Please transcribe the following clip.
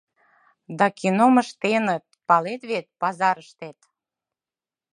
— Да кином ыштеныт, палет вет, пазарыштет.